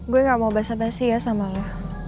gue gak mau basa basi ya sama lo